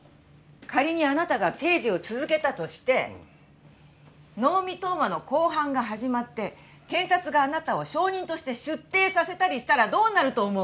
仮にあなたが刑事を続けたとして能見冬馬の公判が始まって検察があなたを証人として出廷させたりしたらどうなると思う？